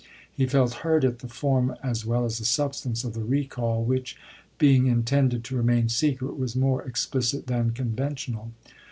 He felt hurt at the form as well as the substance of the recall, which, being intended to remain secret, was more explicit than conventional.